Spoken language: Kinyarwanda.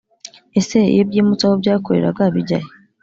ese iyo byimutse aho byakoreraga bijyahe